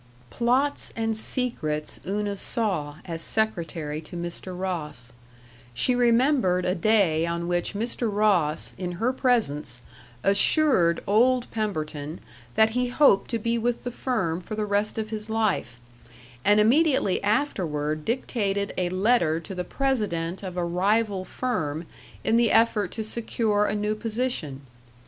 Plots and secrets Una saw as secretary to Mr. Ross. She remembered a day on which Mr. Ross, in her presence, assured old Pemberton that he hoped to be with the firm for the rest of his life, and immediately afterward dictated a letter to the president of a rival firm in the effort to secure a new position.